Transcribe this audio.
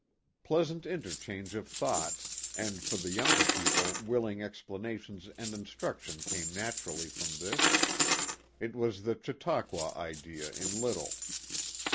Pleas ant interchange of thought, and for the younger people willing explanations and instruction came naturally from this it was the Chautauqua idea in little.